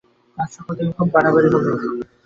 আজ সকাল থেকে খুব বাড়াবাড়ি হল।